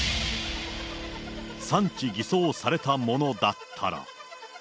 産地偽装されたものだったら。